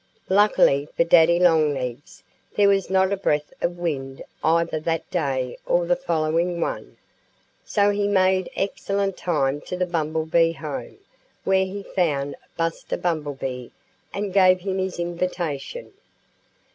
Luckily for Daddy Longlegs there was not a breath of wind either that day or the following one. So he made excellent time to the Bumblebee home, where he found Buster Bumblebee and gave him his invitation.